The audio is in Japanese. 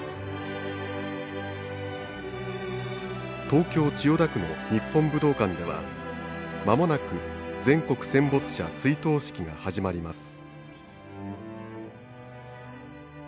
東京・千代田区の日本武道館ではまもなく全国戦没者追悼式が始まります。